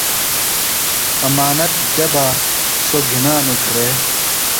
امانت دےۡ بہ سوۡ گِھنانوۡ گھرے۔